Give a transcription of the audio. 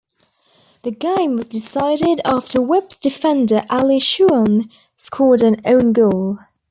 The game was decided after Whips defender Ally Shewan scored an own goal.